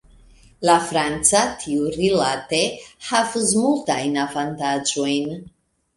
La franca, tiurilate, havus multajn avantaĝojn.